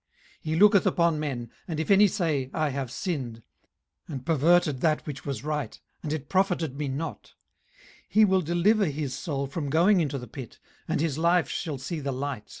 18:033:027 He looketh upon men, and if any say, I have sinned, and perverted that which was right, and it profited me not; 18:033:028 He will deliver his soul from going into the pit, and his life shall see the light.